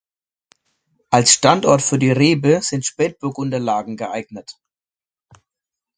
Als Standort für die Rebe sind Spätburgunder-Lagen geeignet.